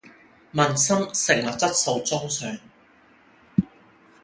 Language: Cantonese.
問心食物質素中上